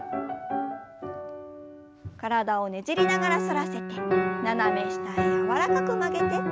体をねじりながら反らせて斜め下へ柔らかく曲げて。